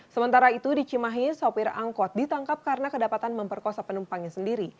sementara itu di cimahi sopir angkot ditangkap karena kedapatan memperkosa penumpangnya sendiri